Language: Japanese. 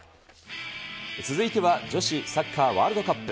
続いては、女子サッカーワールドカップ。